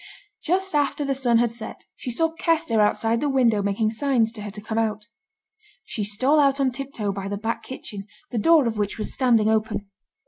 Just after the sun had set, she saw Kester outside the window making signs to her to come out. She stole out on tip toe by the back kitchen, the door of which was standing open.